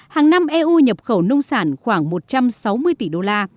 hàng năm eu nhập khẩu nông sản khoảng một trăm sáu mươi tỷ đô la